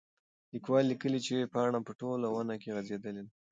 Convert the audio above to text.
لیکوال لیکلي چې پاڼه په ټوله ونه کې غځېدلې ده.